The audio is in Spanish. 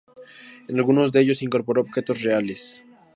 En algunos de ellos incorporó objetos reales.